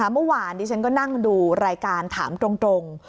เมื่อวานนี้ฉันก็นั่งดูรายการถามตรง